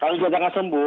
kalau juga jangan sembuh